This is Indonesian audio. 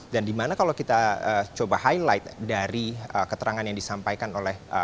dan di mana kalau kita coba highlight dari keterangan yang disampaikan oleh